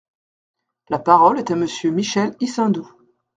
La parole est à Monsieur Michel Issindou.